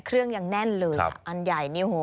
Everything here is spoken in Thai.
เครื่องยังแน่นเลยอันใหญ่นี่โห